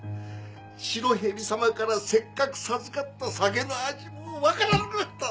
白蛇様からせっかく授かった酒の味も分からなくなった！